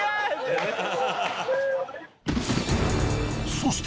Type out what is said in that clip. そして